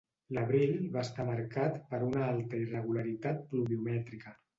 L'abril va estar marcat per una alta irregularitat pluviomètrica.